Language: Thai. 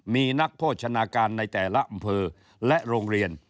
มีนักโภชนาการในแต่ละอำเภอและโรงเรียน